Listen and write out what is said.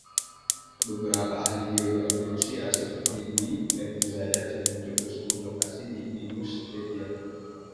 Beberapa ahli geografi Rusia, seperti D. V. Zayats, menunjuk ke sebuah lokasi di Ingushetia.